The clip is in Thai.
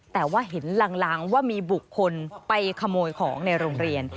แต่ว่าเห็นลางว่ามีบุคคลไปขโมยของในโรงเรียน